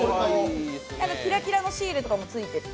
キラキラのシールとかも付いてて。